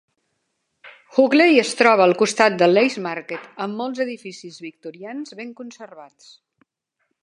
Hockley es troba al costat del Lace Market, amb molts edificis victorians ben conservats.